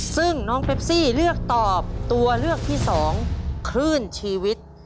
ซึ่งน้องเปปซี่เลือกตอบตัวเลือกที่สองคลื่นชีวิต